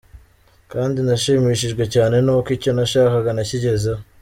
Kandi nashimishijwe cyane n’uko icyo nashakaga nakigezeho.